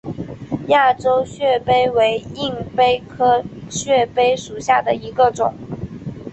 亚洲血蜱为硬蜱科血蜱属下的一个种。